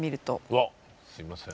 うわすいません。